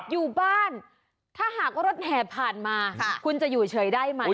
อยู่บ้านถ้าหากว่ารถแห่ผ่านมาคุณจะอยู่เฉยได้ไหม